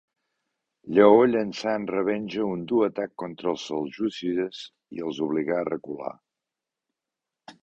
Lleó llançà en revenja un dur atac contra els seljúcides i els obligà a recular.